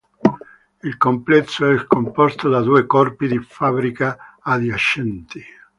Il complesso è composto da due corpi di fabbrica adiacenti.